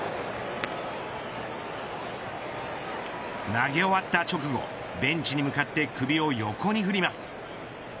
投げ終わった直後ベンチに向かって首を横に振ります。